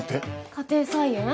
家庭菜園？